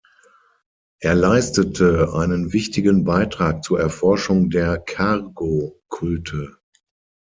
Er leistete einen wichtigen Beitrag zur Erforschung der Cargo-Kulte.